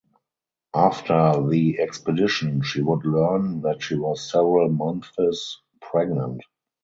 After the expedition she would learn that she was several months pregnant.